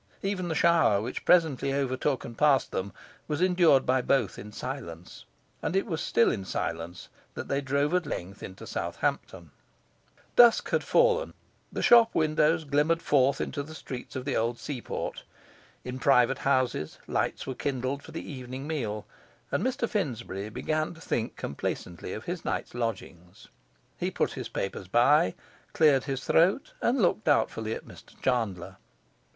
Even the shower, which presently overtook and passed them, was endured by both in silence; and it was still in silence that they drove at length into Southampton. Dusk had fallen; the shop windows glimmered forth into the streets of the old seaport; in private houses lights were kindled for the evening meal; and Mr Finsbury began to think complacently of his night's lodging. He put his papers by, cleared his throat, and looked doubtfully at Mr Chandler.